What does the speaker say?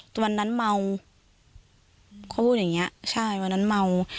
ตอนนั้นเมาเขาพูดอย่างเงี้ใช่วันนั้นเมา